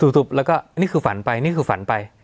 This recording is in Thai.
ปุ๊บแล้วก็อันนี้คือฝันไปนี่คือฝันไป